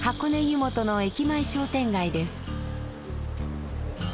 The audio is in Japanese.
湯本の駅前商店街です。